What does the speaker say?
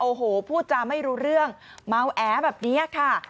โอ้โหพูดจาไม่รู้เรื่องเมาแอแบบนี้ค่ะ